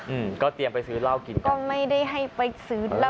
อืมก็เตรียมไปซื้อเหล้ากินก็ไม่ได้ให้ไปซื้อเหล้า